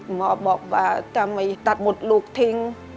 หมอบอกว่าถ้าไม่ตัดหมดลูกทิ้ง